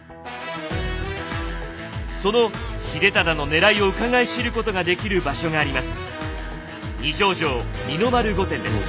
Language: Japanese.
その秀忠のねらいをうかがい知ることができる場所があります。